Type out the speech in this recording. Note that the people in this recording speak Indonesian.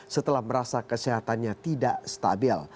setelah merasa kesehatannya tidak stabil